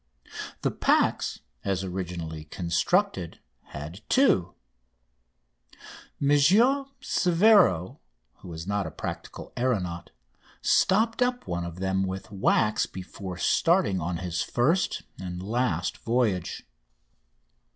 The "Pax," as originally constructed, had two. M. Severo, who was not a practical aeronaut, stopped up one of them with wax before starting on his first and last voyage.